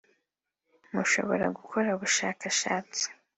’’ Mushobora gukora ubushakashatsi